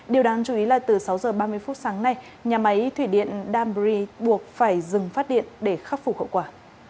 điều đáng chú ý là từ sáu h ba mươi phút sáng nay nhà máy thủy điện dambri buộc phải dừng phát điện để khắc phục hậu quả